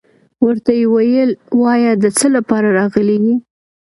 ورته يې ويل وايه دڅه لپاره راغلى يي.